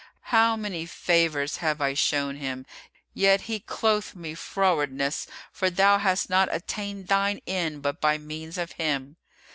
How many favours have I shown him! Yet he doth me frowardness; for thou hast not attained thine end but by means of him."